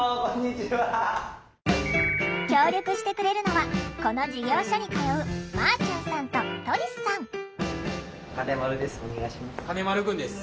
協力してくれるのはこの事業所に通う金丸君です。